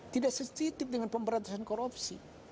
tidak setitik dengan pemberantasan korupsi